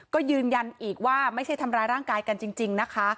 ก็ยืนยันอีกว่าไม่ใช่ทำร้ายร่างกายกันจริงนะคะ